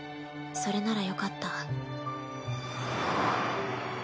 それならよかった。